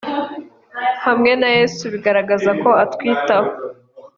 hamwe na yesu bigaragaza ko atwitaho